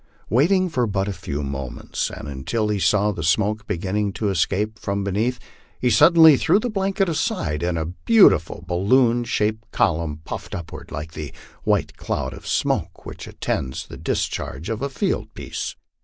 Waiting but for a few moments, and until he saw the smoke beginning to escape from beneath, he suddenly threw the blanket aside, and a beautiful balloon shaped column puffed upward, like the white cloud of smoke which attends the discharge of a field piece.